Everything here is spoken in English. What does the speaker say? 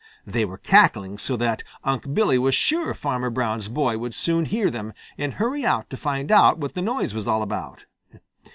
They were cackling so that Unc' Billy was sure Farmer Brown's boy would soon hear them and hurry out to find out what the noise was all about.